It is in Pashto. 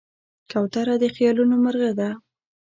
کوتره د خیالونو مرغه ده.